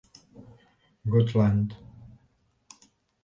Gotland.